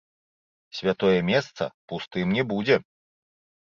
Святое месца пустым не будзе.